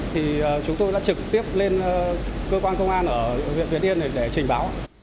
thì chúng tôi đã trực tiếp lên cơ quan công an ở huyện việt yên để trình báo